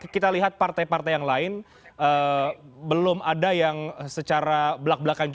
kita lihat partai yang lain belum ada yang secara belak belahan